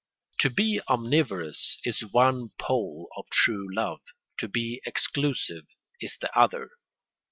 To be omnivorous is one pole of true love: to be exclusive is the other.